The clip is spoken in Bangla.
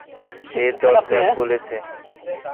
সে দরজা খুলেছে।